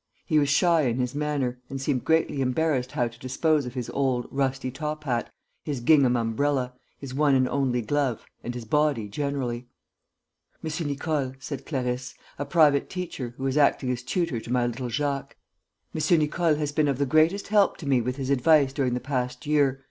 He was shy in his manner and seemed greatly embarrassed how to dispose of his old, rusty top hat, his gingham umbrella, his one and only glove and his body generally. "M. Nicole," said Clarisse, "a private teacher, who is acting as tutor to my little Jacques. M. Nicole has been of the greatest help to me with his advice during the past year.